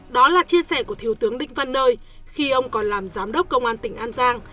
đó là chia sẻ của thiếu tướng đinh văn nơi khi ông còn làm giám đốc công an tỉnh an giang